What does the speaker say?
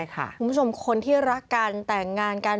คุณผู้ชมคนที่รักกันแต่งงานกัน